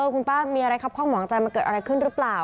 คุณป้ามีอะไรครับข้องหมองใจมันเกิดอะไรขึ้นหรือเปล่า